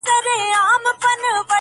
• چي دا وږي د وطن په نس ماړه وي,